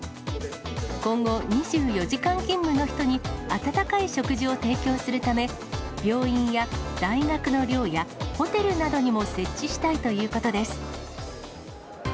今後、２４時間勤務の人に、温かい食事を提供するため、病院や大学の寮やホテルなどにも設置したいということです。